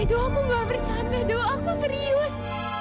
do aku gak bercanda do aku serius